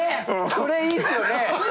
それいいっすよね！